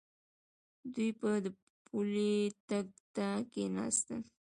دوی به د پولۍ ټک ته کېناستل.